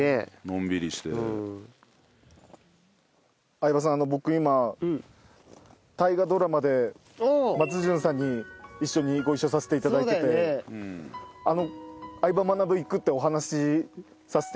相葉さん僕今大河ドラマで松潤さんに一緒にご一緒させていただいてて『相葉マナブ』行くってお話しさせていただいたんですよ。